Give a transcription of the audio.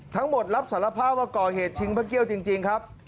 รับสารภาพว่าก่อเหตุชิงพระเกี้ยวจริงครับ